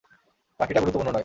বাকিটা গুরুত্বপূর্ণ নয়।